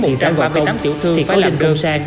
thì giá ba mươi tám triệu thương phải lên đường sang